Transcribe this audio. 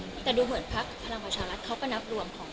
แต่ดูเหมือนพักธรรมชาติรัฐเขาก็นับรวมของ